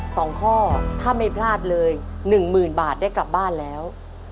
สองข้อถ้าไม่พลาดเลยหนึ่งหมื่นบาทได้กลับบ้านแล้ว